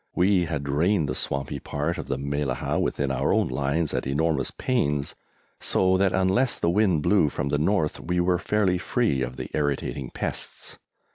We had drained the swampy part of the Mellahah within our own lines at enormous pains, so that unless the wind blew from the north, we were fairly free of the irritating pests.